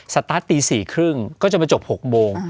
สตาร์ทตี๔๓๐ก็จะมาจบ๖โมง